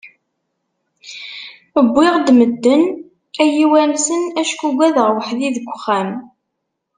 Wwiɣ-d medden ad yi-wansen, acku ugadeɣ weḥd-i deg uxxam.